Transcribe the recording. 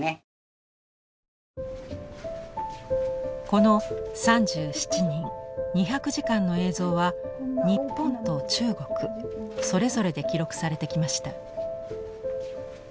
この３７人２００時間の映像は日本と中国それぞれで記録されてきました。